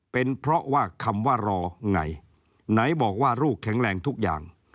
เป็นเพราะว่าคำว่ารอไงไหนไหนบอกว่าลูกแข็งแรงทุกอย่าง